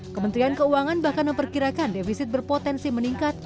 kementerian keuangan bahkan memperkirakan defisit berpotensi meningkat